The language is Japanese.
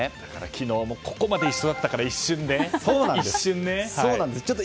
昨日もここまで一緒だったから一瞬ね。